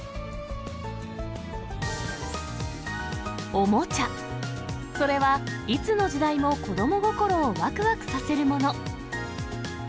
おもちゃ、それはいつの時代も子ども心をわくわくさせるもの。